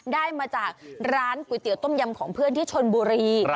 ได้มาจากร้านก๋วยเตี๋ยต้มยำของเพื่อนที่ชนบุรี